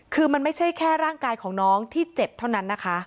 คือมันไม่ใช่แค่ร่างกายของน้องที่เจ็บเท่านั้นนะคะ